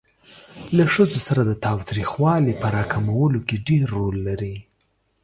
له ښځو سره د تاوتریخوالي په را کمولو کې مهم رول لري.